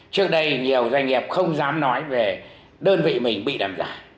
trước đây nhiều doanh nghiệp không dám nói về đơn vị mình bị làm giả